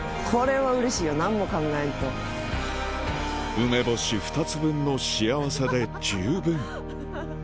梅干し２つ分の幸せで十分